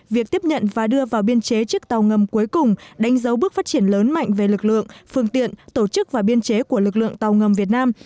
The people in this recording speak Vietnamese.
việc tiếp nhận và đưa vào biên chế chiếc tàu ngầm cuối cùng đánh dấu bước phát triển lớn mạnh về lực lượng phương tiện tổ chức và biên chế của lực lượng tàu ngầm việt nam